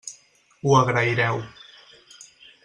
Ho agraireu.